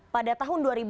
pada tahun dua ribu enam